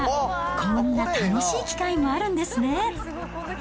こんな楽しい機械もあるんですね。